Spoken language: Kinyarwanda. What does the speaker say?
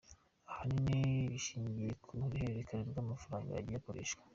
Ahanini bishingiye ku ruhererekane rw’amafaranga yagiye akoreshwa.